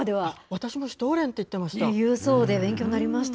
私もシュトーレンって言ってました。